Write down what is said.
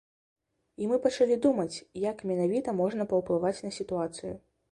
І мы пачалі думаць, як менавіта можна паўплываць на сітуацыю.